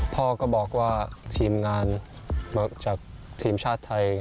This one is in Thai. พ่อก็บอกว่าทีมงานมาจากทีมชาติไทย